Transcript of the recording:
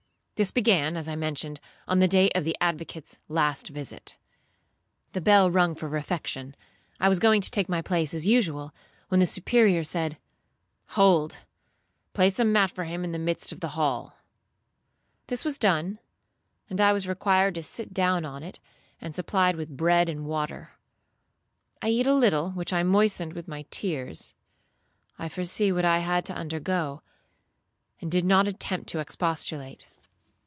This began, as I mentioned, on the day of the advocate's last visit. The bell rung for refection;—I was going to take my place as usual, when the Superior said, 'Hold,—place a mat for him in the midst of the hall.' This was done, and I was required to sit down on it, and supplied with bread and water. I eat a little, which I moistened with my tears. I foresaw what I had to undergo, and did not attempt to expostulate.